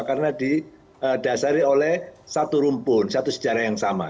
karena didasari oleh satu rumpun satu sejarah yang sama